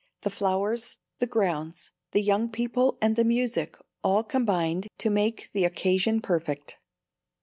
The flowers, the grounds, the young people and the music all combined to make the occasion perfect.